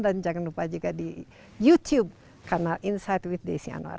dan jangan lupa juga di youtube kanal insight with desi anwar